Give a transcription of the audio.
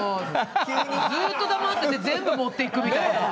ずっと黙ってて全部持っていくみたいな。